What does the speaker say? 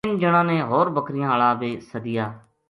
اِن جناں نے ھور بکریاں ہالا بے سدیا